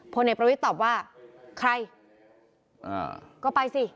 พลเอกประวิทย์ตอบว่าใครก็ไปสิ